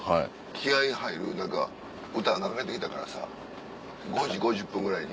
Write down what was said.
気合入る歌流れてきたからさ５時５０分ぐらいに。